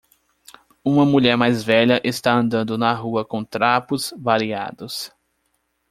Uma mulher mais velha está andando na rua com trapos variados.